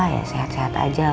ya sehat sehat aja